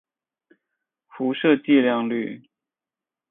辐射剂量率。